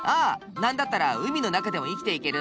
何だったら海の中でも生きていける。